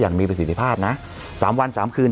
มีประสิทธิภาพนะ๓วัน๓คืน